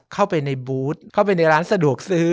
เข้าไปในบูธเข้าไปในร้านสะดวกซื้อ